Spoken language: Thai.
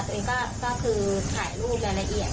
ตัวเองก็คือถ่ายรูปรายละเอียด